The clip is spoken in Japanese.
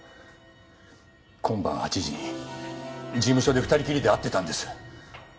今晩８時に事務所で２人きりで会ってたんです。